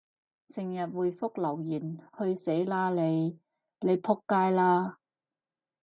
成日回覆留言，去死啦你！你仆街啦！